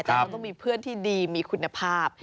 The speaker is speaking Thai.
แต่เราต้องมีเพื่อนที่ดีมีคุณภาพ